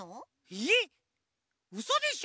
えっうそでしょ！？